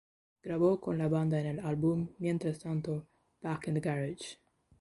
Grabó con la banda en el álbum, Mientras tanto, Back in the Garage.